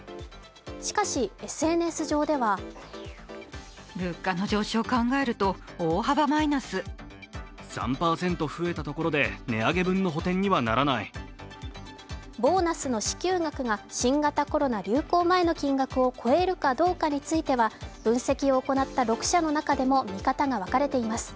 しかしＳＮＳ上ではボーナスの支給額が新型コロナ流行前の金額を超えるかどうかについては、分析を行った６社の中でも見方が分かれています。